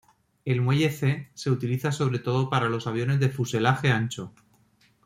El muelle C se utiliza sobre todo para los aviones de fuselaje ancho.